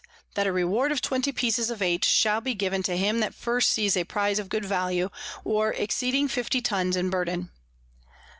That a Reward of twenty Pieces of Eight shall be given to him that first sees a Prize of good Value, or exceeding 50 _Tuns in Burden.